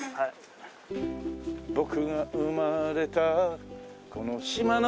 「僕が生まれたこの島の」